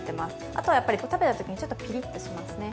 あとは食べたときにちょっとピリッとしますね。